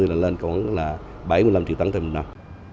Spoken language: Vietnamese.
cảng biển dung quốc là một cổng biển đặc biệt của trung quốc